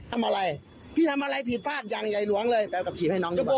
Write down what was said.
ทำอะไรพี่ทำอะไรผิดฝาดยังไงหลวงเลยเอากลับขี่ให้น้องดูก่อน